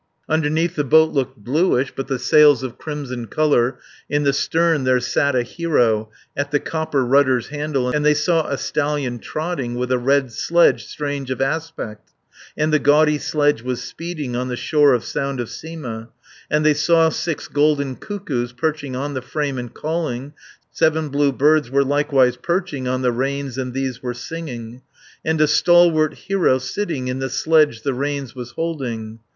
Underneath the boat looked bluish, But the sails of crimson colour. In the stern there sat a hero, At the copper rudder's handle, And they saw a stallion trotting With a red sledge strange of aspect, 600 And the gaudy sledge was speeding On the shore of Sound of Sima, And they saw six golden cuckoos, Perching on the frame, and calling, Seven blue birds were likewise perching On the reins, and these were singing; And a stalwart hero, sitting In the sledge, the reins was holding.